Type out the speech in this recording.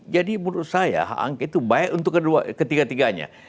jadi menurut saya hak angkat itu baik untuk ketiga tiganya